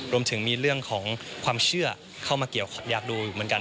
รวมถึงมีเรื่องของความเชื่อเข้ามาเกี่ยวอยากดูอยู่เหมือนกัน